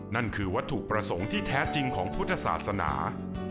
นั่นคือวัตถุประสงค์ที่แท้จริงของพุทธศาสนา